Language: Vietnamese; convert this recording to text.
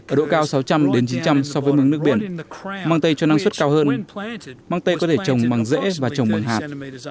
ở độ cao sáu trăm linh đến chín trăm linh so với mức nước biển măng tây cho năng suất cao hơn măng tây có thể trồng bằng rễ và trồng bằng hạt